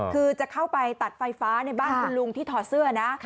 คือจะเข้าไปตัดไฟฟ้าในบ้านคุณลุงที่ถอดเสื้อนะ